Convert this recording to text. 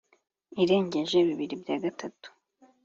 irengeje bibiri bya gatatu